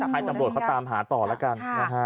เอาค่ะให้ตำบวชเขาตามหาต่อแล้วกัน